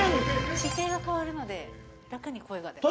姿勢が変わるので楽に声が出ます。